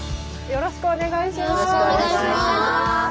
よろしくお願いします。